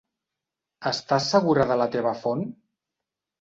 Estàs segura de la teva font?